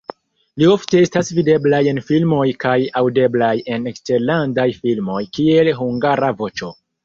Li ofte estas videblaj en filmoj kaj aŭdeblaj en eksterlandaj filmoj (kiel hungara voĉo).